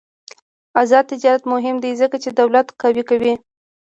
آزاد تجارت مهم دی ځکه چې دولت قوي کوي.